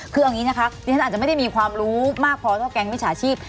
คือเอาอย่างนี้นะคะดิฉันอาจจะไม่ได้มีความรู้มากพอเท่าแก๊งมิจฉาชีพ